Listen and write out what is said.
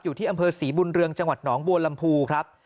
อยู่ที่อำเภอศรีบุญเรืองจังหวัดหนองบัวลำพูครับ